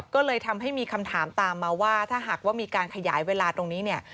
ก็เลยทำให้มีคำถามตามมาว่าถ้าหากว่ามีการขยายเวลาตรงนี้เนี่ย